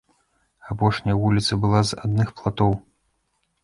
Апошняя вуліца была з адных платоў.